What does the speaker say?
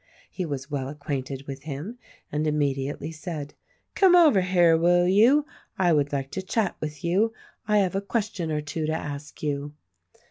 He was well acquainted with him and immediately said, "Come over here, will you? I would like to chat with you. I have a question or two to ask you."